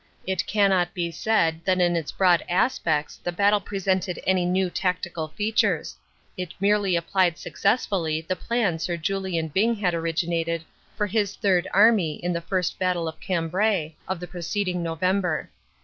It cannot be said that in its broad aspects the battle presented any new tactical features; it merely ap plied successfully the plan Sir Julian Byng had originated for his Third Army in the First Battle of Cambrai of the preced ing November.